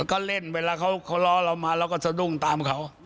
ก็เล่นเวลาเขาล้อเรามาเราก็สะดุ้งตามเขา